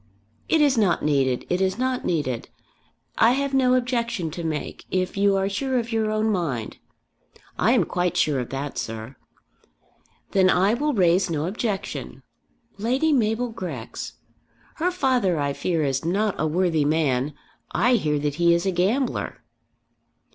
"It is not needed. It is not needed. I have no objection to make. If you are sure of your own mind " "I am quite sure of that, sir." "Then I will raise no objection. Lady Mabel Grex! Her father, I fear, is not a worthy man. I hear that he is a gambler."